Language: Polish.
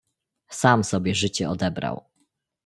"Sam sobie życie odebrał."